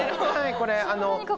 これ。